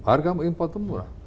harga importnya murah